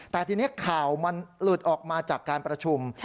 แต่ทีนี้ข่าวมันหลุดออกมาจากการประชุม